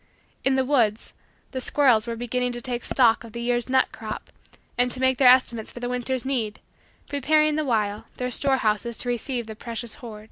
In the woods, the squirrels were beginning to take stock of the year's nut crop and to make their estimates for the winter's need, preparing, the while, their storehouses to receive the precious hoard.